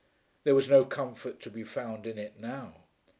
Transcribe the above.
There was no comfort to be found in it now.